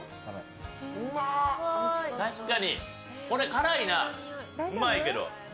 これ、辛いな、うまいけど。